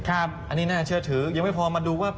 อันนี้น่าเชื่อถือยังไม่พอมาดูว่า